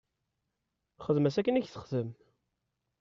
Xdem-as akken i k-texdem.